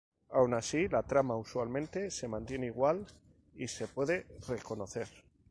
Aun así la trama usualmente se mantiene igual y se puede reconocer.